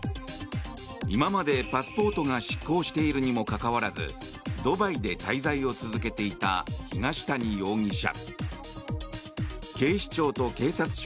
今までパスポートが失効しているにもかかわらずドバイで滞在を続けていた東谷容疑者。